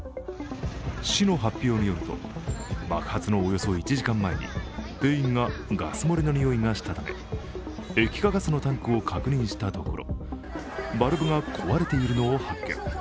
市の発表によると、爆発のおよそ１時間前に店員がガス漏れの臭いがしたため液化ガスのタンクを確認したところバルブが壊れているのを発見。